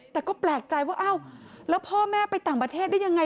แต่ก็แปลกใจว่าอ้าวแล้วพ่อแม่ไปต่างประเทศได้ยังไง